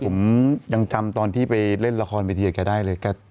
ผมยังจำตอนที่ไปเล่นละครเวทีกับแกได้เลย